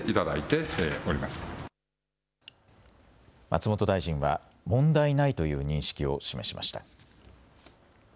松本大臣は問題ないという認識を示しました。